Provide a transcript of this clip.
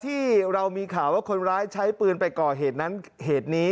ที่เรามีข่าวว่าคนร้ายใช้ปืนไปก่อเหตุนั้นเหตุนี้